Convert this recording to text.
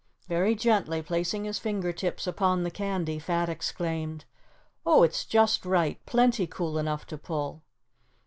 Very gently placing his finger tips upon the candy, Fat exclaimed: "Oh, it's just right; plenty cool enough to pull."